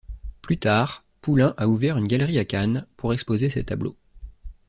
Plus tard, Poulain a ouvert une galerie à Cannes, pour exposer ses tableaux.